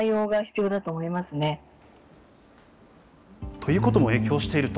ということも影響していると。